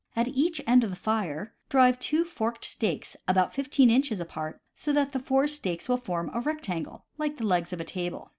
At each end of the fire drive two forked stakes about fifteen inches apart, so that the four stakes will form a rectangle, like the legs of a table.